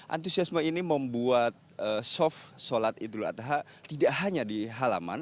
antusiasme ini membuat soft sholat idul adha tidak hanya di halaman